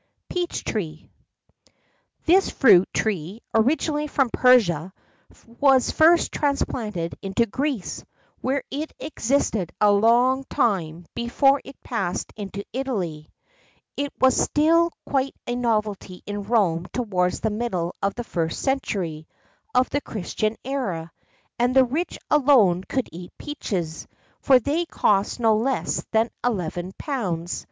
DUTOUR. PEACH TREE. This fruit tree, originally from Persia, was first transplanted into Greece,[XII 64] where it existed a long time before it passed into Italy. It was still quite a novelty in Rome towards the middle of the 1st century of the Christian era, and the rich alone could eat peaches, for they cost no less than £11 13_s.